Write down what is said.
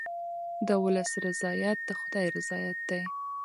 د ولس رضایت د خدای رضایت دی.